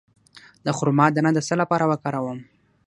د خرما دانه د څه لپاره وکاروم؟